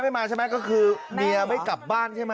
ไม่มาใช่มั้ยก็คือเมียไม่กลับบ้านใช่มั้ย